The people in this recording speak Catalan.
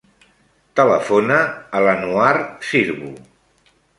Telefona a l'Anouar Sirbu.